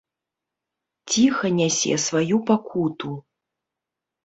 Ціха нясе сваю пакуту.